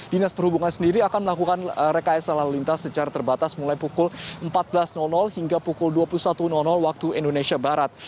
dinas perhubungan sendiri akan melakukan rekayasa lalu lintas secara terbatas mulai pukul empat belas hingga pukul dua puluh satu waktu indonesia barat